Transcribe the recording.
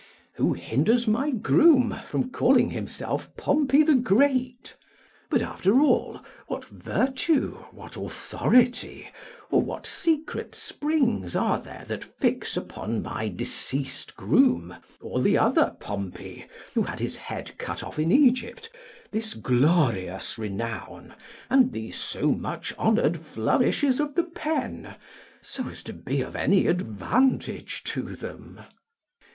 Who hinders my groom from calling himself Pompey the Great? But after all, what virtue, what authority, or what secret springs are there that fix upon my deceased groom, or the other Pompey, who had his head cut off in Egypt, this glorious renown, and these so much honoured flourishes of the pen, so as to be of any advantage to them?